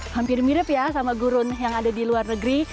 hampir mirip ya sama gurun yang ada di luar negeri